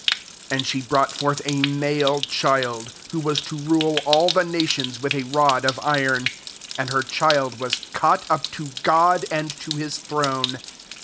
5 And she brought forth a male child, who was to rule all the nations with a rod of iron: and her child was caught up to God, and to his throne.